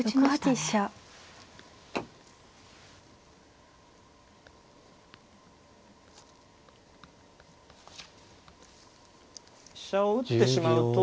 飛車を打ってしまうと。